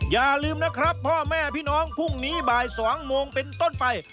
อย่าลืมนะครับพ่อแม่พี่น้องพรุ่งนี้บ่าย๒โมงเป็นต้นไป